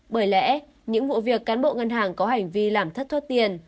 bởi lẽ những vụ việc cán bộ ngân hàng có hành vi làm thất thoát tiền